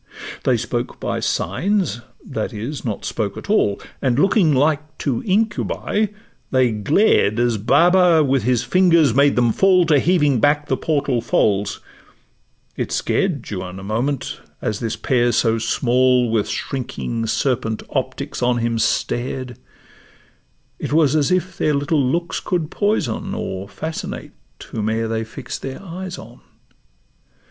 They spoke by signs—that is, not spoke at all; And looking like two incubi, they glared As Baba with his fingers made them fall To heaving back the portal folds: it scared Juan a moment, as this pair so small With shrinking serpent optics on him stared; It was as if their little looks could poison Or fascinate whome'er they fix'd their eyes on.